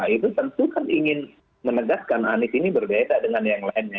itu tentu kan ingin menegaskan anies ini berbeda dengan yang lainnya